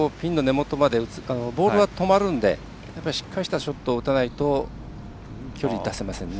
ボールが止まるのでしっかりしたショットを打たないと距離、出せませんね。